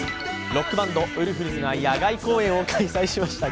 ロックバンド、ウルフルズが野外公演を開催しました。